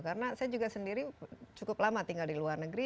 karena saya juga sendiri cukup lama tinggal di luar negeri